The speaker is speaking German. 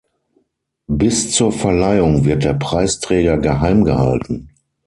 Bis zur Verleihung wird der Preisträger geheim gehalten.